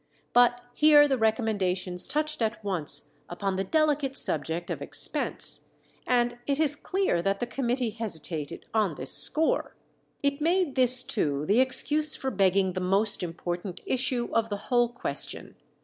But here the recommendations touched at once upon the delicate subject of expense, and it is clear that the committee hesitated on this score. It made this too the excuse for begging the most important issue of the whole question.